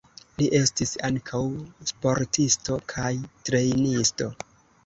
Li estis ankaŭ sportisto kaj trejnisto.